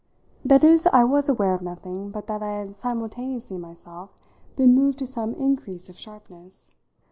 That is I was aware of nothing but that I had simultaneously myself been moved to some increase of sharpness.